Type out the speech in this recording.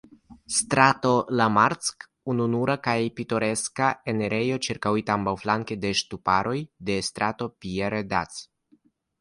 Strato Lamarck, ununura kaj pitoreska enirejo, ĉirkaŭita ambaŭflanke de ŝtuparoj de Strato Pierre-Dac.